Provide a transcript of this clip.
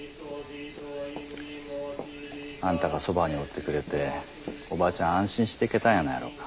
あんたがそばにおってくれておばちゃん安心して逝けたんやないやろか。